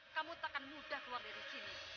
kamu takkan mudah keluar dari sini